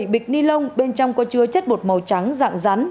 một bịch ni lông bên trong có chứa chất bột màu trắng dạng rắn